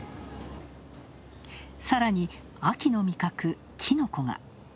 さらに秋の味覚、きのこが。